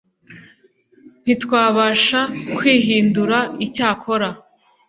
ntitwabasha kwihindura Icyakora